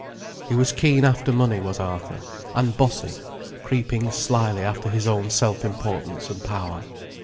He was keen after money, was Arthur—and bossy, creeping slyly after his own self importance and power.